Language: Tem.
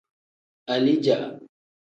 Alija.